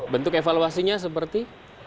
bentuk evaluasinya seperti